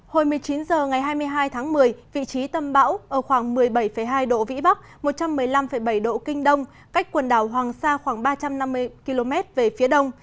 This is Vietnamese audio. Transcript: hồi một mươi chín h ngày hai mươi hai tháng một mươi vị trí tâm bão ở khoảng một mươi bảy hai độ vĩ bắc một trăm một mươi năm bảy độ kinh đông cách quần đảo hoàng sa khoảng ba trăm năm mươi km về phía đông